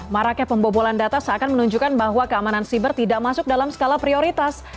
maraknya pembobolan data seakan menunjukkan bahwa keamanan siber tidak masuk dalam skala prioritas